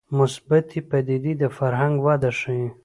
مثبتې پدیدې د فرهنګ وده ښيي